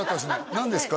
何ですか？